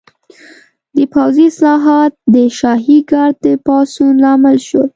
د پوځي اصلاحات د شاهي ګارډ د پاڅون لامل شول.